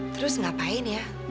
terus ngapain ya